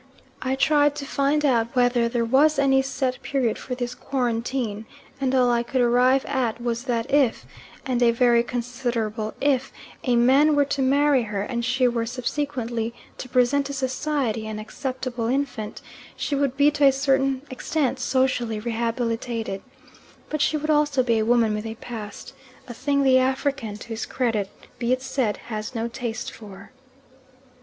I tried to find out whether there was any set period for this quarantine, and all I could arrive at was that if and a very considerable if a man were to marry her and she were subsequently to present to Society an acceptable infant, she would be to a certain extent socially rehabilitated, but she would always be a woman with a past a thing the African, to his credit be it said, has no taste for.